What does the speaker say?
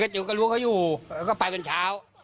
กลี้ยกรก็รู้ว่าเขาอยู่แล้วก็ไปวันเช้า